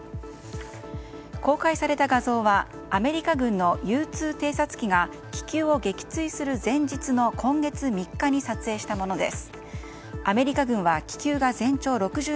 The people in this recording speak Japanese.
公開された画像はアメリカ軍のＵ２偵察機が気球を撃墜する前日の今月３日に撮影したものです。